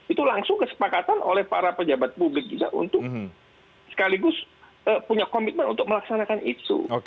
itu langsung kesepakatan oleh para pejabat publik juga untuk sekaligus punya komitmen untuk melaksanakan itu